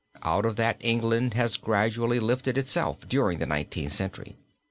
Out of that England has gradually lifted itself during the Nineteenth Century.